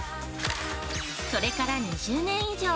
それから２０年以上。